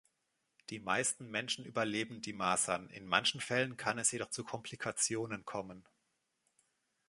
Die meisten Menschen überleben die Masern, in manchen Fällen kann es jedoch zu Komplikationen kommen.